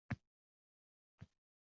Ha yaxshi...